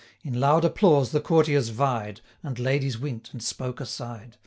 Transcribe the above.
In loud applause the courtiers vied; 365 And ladies wink'd, and spoke aside.